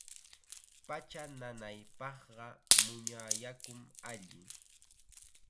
Pacha nanaypaqqa muña yakum alli.